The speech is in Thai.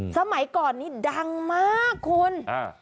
สมัยก่อนนี้ดังมากคุณ